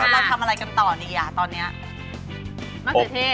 เราทำอะไรกันต่อดีอะตอนเนี้ย